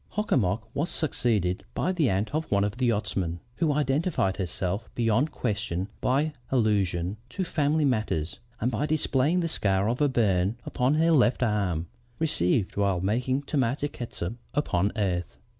Hock a mock was succeeded by the aunt of one of the yachtsmen, who identified herself beyond question by allusion to family matters and by displaying the scar of a burn upon her left arm, received while making tomato catsup upon earth.